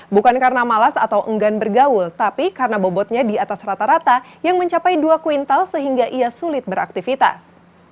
bukan karena malas atau enggan bergaul tapi karena bobotnya di atas rata rata yang mencapai dua kuintal sehingga ia sulit beraktivitas